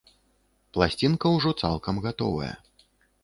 Пласцінка ўжо цалкам гатовая.